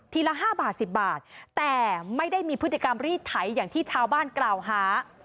ละ๕บาท๑๐บาทแต่ไม่ได้มีพฤติกรรมรีดไถอย่างที่ชาวบ้านกล่าวหา